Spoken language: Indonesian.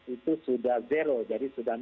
itu sudah zero jadi sudah